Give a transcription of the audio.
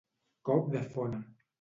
Cop de fona.